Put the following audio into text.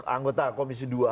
anggota komisi dua